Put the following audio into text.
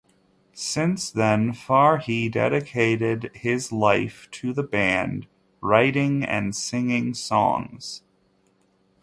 Since then, Farhi dedicated his life to the band, writing and singing songs.